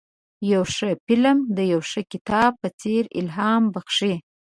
یو ښه فلم د یو ښه کتاب په څېر الهام بخښي.